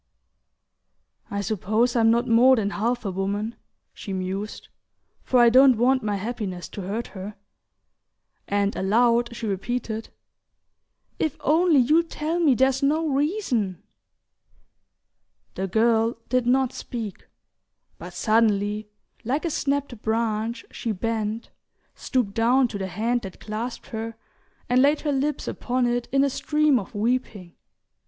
"I suppose I'm not more than half a woman," she mused, "for I don't want my happiness to hurt her;" and aloud she repeated: "If only you'll tell me there's no reason " The girl did not speak; but suddenly, like a snapped branch, she bent, stooped down to the hand that clasped her, and laid her lips upon it in a stream of weeping.